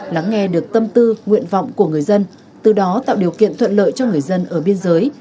lắng nghe được tâm tư nguyện vọng của người dân từ đó tạo điều kiện thuận lợi cho người dân ở biên giới